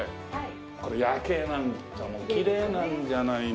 これ夜景なんかもきれいなんじゃないの？